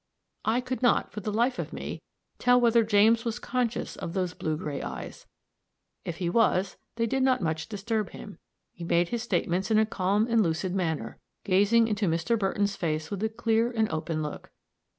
I could not, for the life of me, tell whether James was conscious of those blue gray eyes; if he was, they did not much disturb him; he made his statements in a calm and lucid manner, gazing into Mr. Burton's face with a clear and open look.